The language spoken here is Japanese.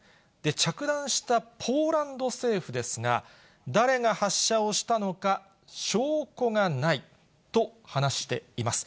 着弾したポーランド政府ですが、誰が発射をしたのか、証拠がないと話しています。